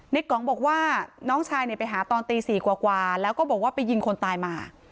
กองบอกว่าน้องชายไปหาตอนตี๔กว่าแล้วก็บอกว่าไปยิงคนตายมา